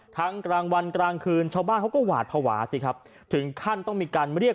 กลางวันกลางคืนชาวบ้านเขาก็หวาดภาวะสิครับถึงขั้นต้องมีการเรียก